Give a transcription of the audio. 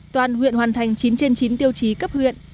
toàn huyện hoàn thành chín trên chín tiêu chí cấp huyện